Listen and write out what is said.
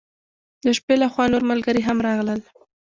د شپې له خوا نور ملګري هم راغلل.